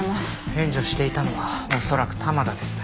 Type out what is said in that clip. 援助していたのは恐らく玉田ですね。